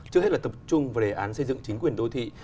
trước hết là tập trung vào đề án xây dựng chính quyền đô thị